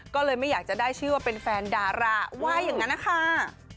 ก็เลยไม่อยากจะได้ชื่อว่าเป็นแฟนดาราว่าอย่างนั้นนะคะ